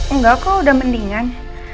enggak kok udah mendingan